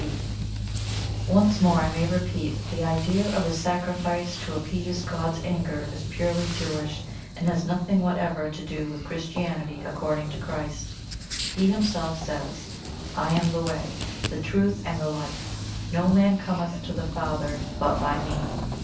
B." [Once more I may repeat that the idea of a sacrifice to appease God's anger is purely JEWISH, and has nothing whatever to do with Christianity according to Christ. He Himself says, "I am the WAY, the Truth, and the Life; no man cometh to the Father but BY ME."